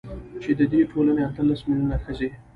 چـې د دې ټـولـنې اتـلس مـيلـيونـه ښـځـې .